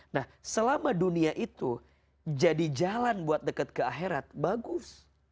nah selama dunia itu jadi jalan buat dekat ke akhirat bagus